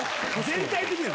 全体的に！